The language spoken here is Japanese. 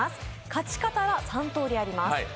勝ち方は３通りあります。